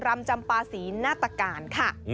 รำจำปาศรีนาตการค่ะ